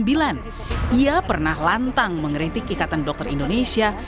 dia pernah lantang mengeritik ikatan dokter indonesia